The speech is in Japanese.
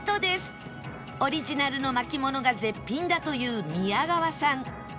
オリジナルの巻物が絶品だというミヤガワさん